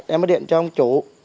em mới điện cho ông chủ